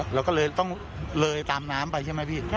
แล้วก็ต้องเลยร์ตามน้ำไปใช่ไหมพี่